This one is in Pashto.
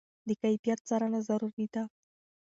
د کیفیت څارنه ضروري ده.